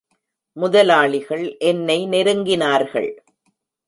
முதலாளிகள் என்னை நெருங்கினார்கள்.